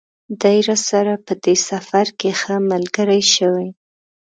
دی راسره په دې سفر کې ښه ملګری شوی.